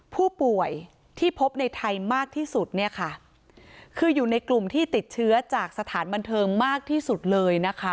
ผู้ป่วยที่พบในไทยมากที่สุดเนี่ยค่ะคืออยู่ในกลุ่มที่ติดเชื้อจากสถานบันเทิงมากที่สุดเลยนะคะ